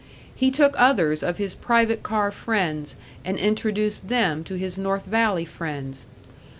He took others of his private car friends and introduced them to his North Valley friends.